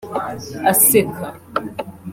Aseka